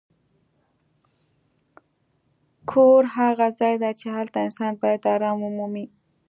کور هغه ځای دی چې هلته انسان باید ارام ومومي.